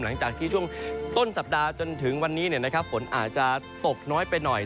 หลังจากที่ช่วงต้นสัปดาห์จนถึงวันนี้ฝนอาจจะตกน้อยไปหน่อย